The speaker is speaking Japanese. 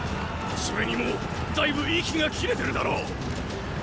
それにもうだいぶ息が切れてるだろ